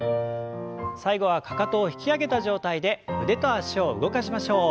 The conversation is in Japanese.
最後はかかとを引き上げた状態で腕と脚を動かしましょう。